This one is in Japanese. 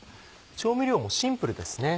調味料もシンプルですね。